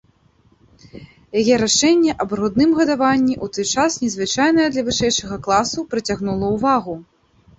Яе рашэнне аб грудным гадаванні, у той час незвычайнае для вышэйшага класа, прыцягнула ўвагу.